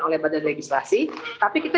oleh badan legislasi tapi kita